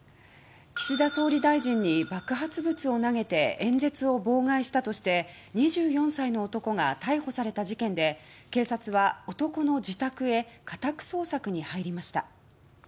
岸田総理大臣に爆発物を投げて演説を妨害したとして２４歳の男が逮捕された事件で警察は男の自宅へ家宅捜索に入りました。